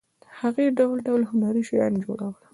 هغې ډول ډول هنري شیان جوړول.